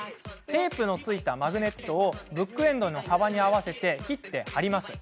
テープの付いたマグネットをブックエンドの幅に合わせて切って貼ります。